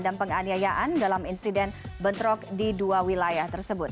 dan penganiayaan dalam insiden bentrok di dua wilayah